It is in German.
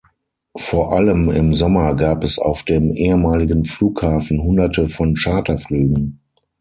Vor allem im Sommer gab es auf dem ehemaligen Flughafen Hunderte von Charterflügen.